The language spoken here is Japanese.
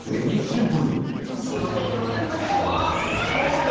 「シンプルに戻りましたえーっ！？」